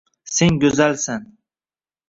Sen go‘zalsan.